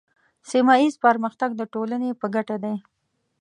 سیمه ایز پرمختګ د ټولنې په ګټه دی.